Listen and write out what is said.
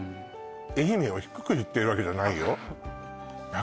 愛媛を低く言ってるわけじゃないよ